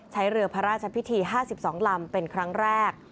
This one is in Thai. ใช้เรือพระราชพิธี๕๒ลำเป็นครั้งแรก